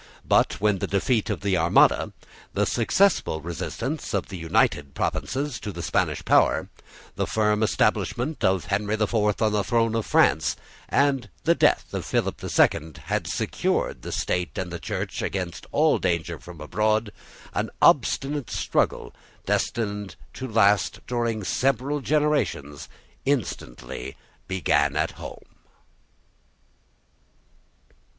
But, when the defeat of the Armada, the successful resistance of the United Provinces to the Spanish power, the firm establishment of Henry the Fourth on the throne of France, and the death of Philip the Second, had secured the State and the Church against all danger from abroad, an obstinate struggle, destined to last during several generations, instantly began at home.